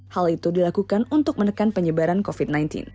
hal itu dilakukan untuk menekan penyebaran covid sembilan belas